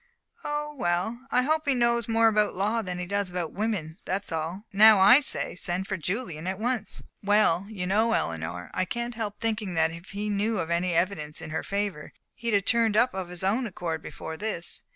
"Oh, well I hope he knows more about law than he does about women, that's all. Now I say, send for Julian at once." "Well, you know, Eleanor, I can't help thinking that if he knew of any evidence in her favor he'd have turned up of his own accord before this.